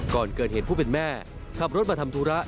ก่อนเกิดเหตุผู้เป็นแม่ขับรถมาทำธุระ